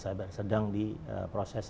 cyber sedang di proses